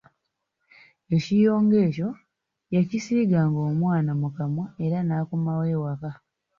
Ekiyonga ekyo yakisiiganga omwana mu kamwa era n’akomawo ewaka.